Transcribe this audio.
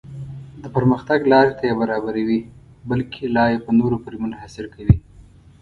د پرمختګ لارې ته یې برابروي بلکې لا یې په نورو پورې منحصر کوي.